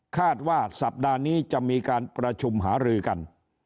คาดว่าสัปดาห์นี้จะมีการประชุมหารือกัน